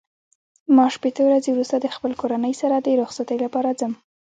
ما شپېته ورځې وروسته د خپل کورنۍ سره د رخصتۍ لپاره ځم.